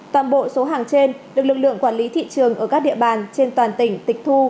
toàn bộ số hàng trên được lực lượng quản lý thị trường ở các địa bàn trên toàn tỉnh tịch thu